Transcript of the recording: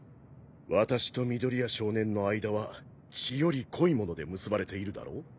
私と緑谷少年の間は血より濃いもので結ばれているだろ？